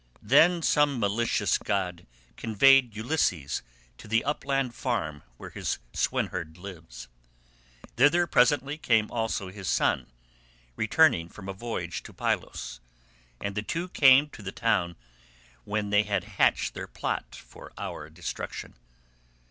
"Then some malicious god conveyed Ulysses to the upland farm where his swineherd lives. Thither presently came also his son, returning from a voyage to Pylos, and the two came to the town when they had hatched their plot for our destruction.